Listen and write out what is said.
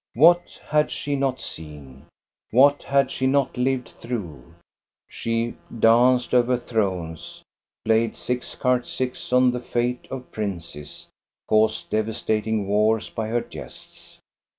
What had she not seen, what had . she not lived through ? She had danced over thrones, played 6cart6 on the fate of princes, caused devastating wars by her jests